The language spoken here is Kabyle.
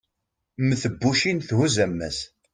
mm tebbucin thuzz ammas